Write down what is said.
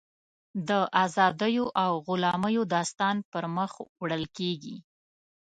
د ازادیو او غلامیو داستان پر مخ وړل کېږي.